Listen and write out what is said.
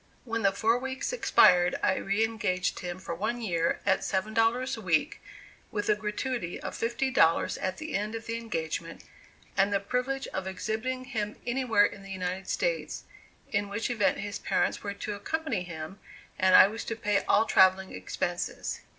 When the four weeks expired, I re engaged him for one year at seven dollars a week, with a gratuity of fifty dollars at the end of the engagement, and the privilege of exhibiting him anywhere in the United States, in which event his parents were to accompany him and I was to pay all travelling expenses.